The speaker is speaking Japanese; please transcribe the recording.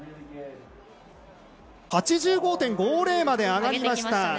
８５．５０まで上がりました。